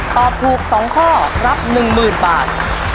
ตอบถูกสองข้อรับหนึ่งหมื่นบาท